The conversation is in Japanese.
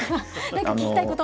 何か聞きたいこと。